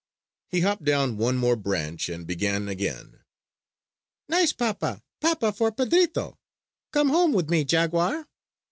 He hopped down one more branch and began again: "Nice papa! Papa for Pedrito! Come home with me, jaguar!"